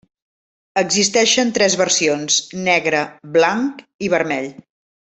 Existeixen tres versions: negre, blanc i vermell.